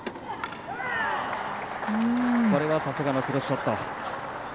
さすがのクロスショット。